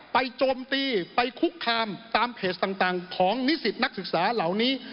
โจมตีไปคุกคามตามเพจต่างของนิสิตนักศึกษาเหล่านี้